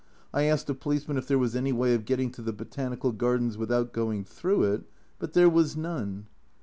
I asked a policeman if there was any way of getting to the Botanical Gardens without going through it, but there was none.